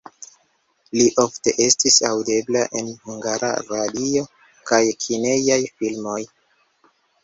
Li ofte estis aŭdebla en Hungara Radio kaj kinejaj filmoj.